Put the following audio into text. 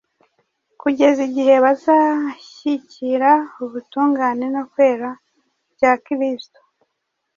kugeza igihe bazashyikira ubutungane no kwera bya Kristo.